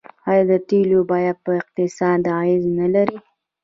آیا د تیلو بیه په اقتصاد اغیز نلري؟